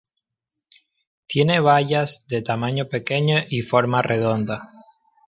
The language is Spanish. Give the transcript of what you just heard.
Tiene bayas de tamaño pequeño y forma redonda.